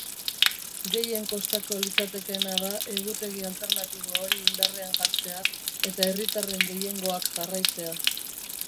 Gehien kostako litzatekeena da egutegi alternatibo hori indarrean jartzea eta herritarren gehiengoak jarraitzea.